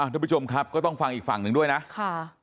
ทุกผู้ชมครับก็ต้องฟังอีกฝั่งหนึ่งด้วยนะค่ะ